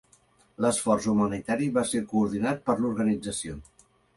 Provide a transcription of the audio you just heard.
L'esforç humanitari va ser coordinat per l'organització.